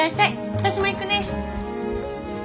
私も行くね。